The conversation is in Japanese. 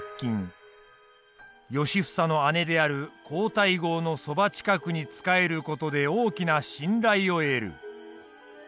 良房の姉である皇太后のそば近くに仕える事で大きな信頼を得る。